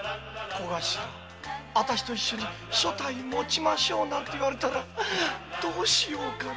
あたしと一緒に所帯もちましょうなんて言われたらどうしよう。